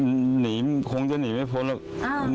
หนีมมหนีมมมมคงจะหนีไม่พ้นหรอก